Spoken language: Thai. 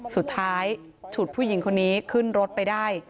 สุดท้ายฉุดผู้หญิงคนนี้ขึ้นรถไปได้